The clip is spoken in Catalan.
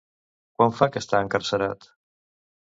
Quant fa que està encarcerat?